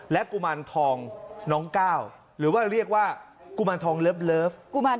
กุมารทองน้องก้าวหรือว่าเรียกว่ากุมารทองเลิฟุมาร